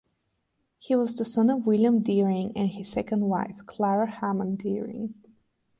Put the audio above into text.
He was the son of William Deering and his second wife, Clara Hammond Deering.